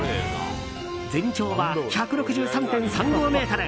全長は１６３．３５ｍ。